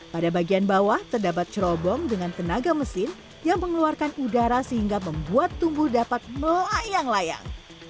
pada bagian bawah terdapat cerobong dengan tenaga mesin yang mengeluarkan udara sehingga membuat tumbuh dapat melayang layang